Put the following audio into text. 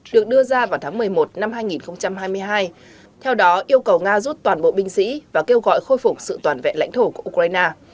được đưa ra vào tháng một mươi một năm hai nghìn hai mươi hai theo đó yêu cầu nga rút toàn bộ binh sĩ và kêu gọi khôi phục sự toàn vẹn lãnh thổ của ukraine